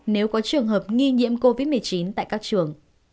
nếu có trường hợp nghi nhiễm covid một mươi chín tại các trường